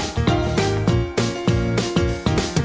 สวัสดีค่ะสวัสดีค่ะสวัสดีค่ะ